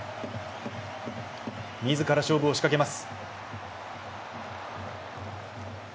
みずから勝負を仕掛けます。